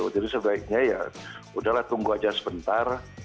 jadi sebaiknya ya udahlah tunggu saja sebentar